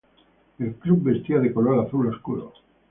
El club vestía de color azul oscuro.